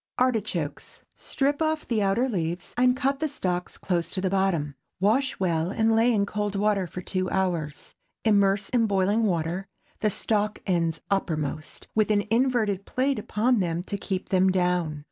ARTICHOKES. Strip off the outer leaves, and cut the stalks close to the bottom. Wash well and lay in cold water two hours. Immerse in boiling water, the stalk ends uppermost, with an inverted plate upon them to keep them down.